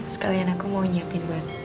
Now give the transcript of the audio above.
sekalian aku mau nyiapin buat mas randy